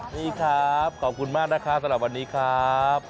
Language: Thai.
นี่ครับขอบคุณมากนะคะสำหรับวันนี้ครับ